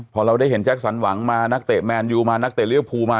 พอเราได้เห็นแจ็คสันหวังมานักเตะแมนยูมานักเตะเรียวภูมา